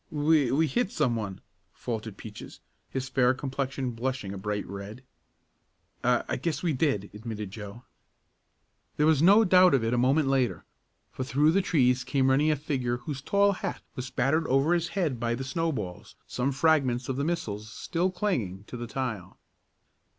"We we hit some one," faltered Peaches, his fair complexion blushing a bright red. "I I guess we did," admitted Joe. There was no doubt of it a moment later, for through the trees came running a figure whose tall hat was battered over his head by the snowballs, some fragments of the missiles still clinging to the tile.